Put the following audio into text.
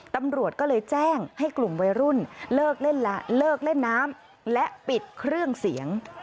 ตำรวจก็เลยแจ้งให้กลุ่มวัยรุ่นเลิกเล่นละเลิกเล่นน้ำและปิดเครื่องเสียง